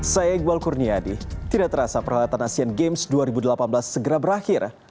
saya iqbal kurniadi tidak terasa peralatan asian games dua ribu delapan belas segera berakhir